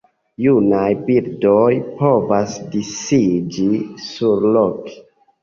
Junaj birdoj povas disiĝi surloke.